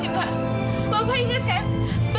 bapak inget kan